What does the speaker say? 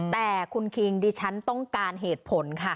แต่คุณคิงดิฉันต้องการเหตุผลค่ะ